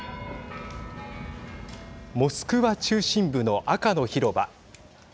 モスクワ中心部の赤の広場。